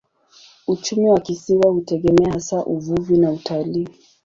Uchumi wa kisiwa hutegemea hasa uvuvi na utalii.